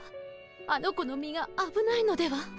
あの子の身があぶないのでは？